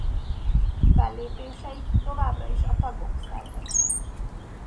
Fellépéseit továbbra is a tagok szervezik.